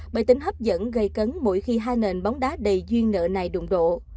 bởi tính hấp dẫn gây cấn mỗi khi hai nền bóng đá đầy duyên nợ này đụng độ